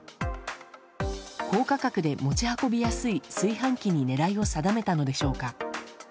高価格で持ち運びやすい炊飯器に狙いを定めたのでしょうか。